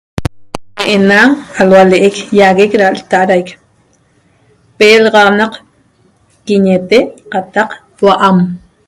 Ena hualeq iagueq l'taaraiq ena pexaxanaq ,quiñete cataq hua'am